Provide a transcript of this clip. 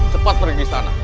cepat pergi disana